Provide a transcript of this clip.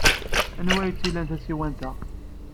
Anwa ay tt-ilan tsiwant-a?